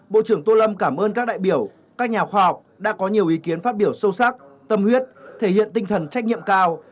bộ trưởng tô lâm cảm ơn các đại biểu các nhà khoa học đã có nhiều ý kiến phát biểu sâu sắc tâm huyết thể hiện tinh thần trách nhiệm cao